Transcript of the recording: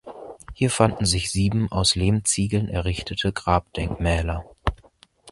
Hier fanden sich sieben aus Lehmziegeln errichtete Grabdenkmäler.